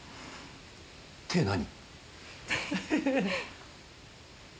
手何？